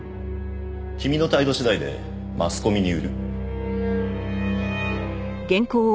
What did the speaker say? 君の態度次第でマスコミに売る。